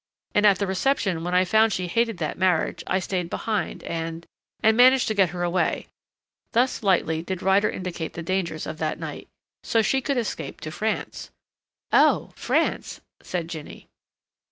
And at the reception when I found she hated that marriage I stayed behind and and managed to get her away," thus lightly did Ryder indicate the dangers of that night! "so she could escape to France." "Oh France!" said Jinny.